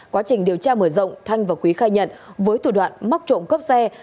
quá trình điều tra mở rộng thanh và quý khai nhận với thủ đoạn móc trộm cắp xe